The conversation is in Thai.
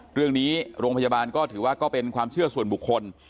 เรื่องนี้โรงพยาบาลก็ถือว่าก็เป็นความเชื่อส่วนบุคคล